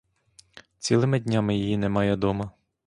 Цілими днями її немає дома.